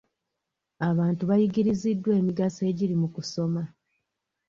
Abantu bayigiriziddwa emigaso egiri mu kusoma.